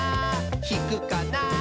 ひくかな？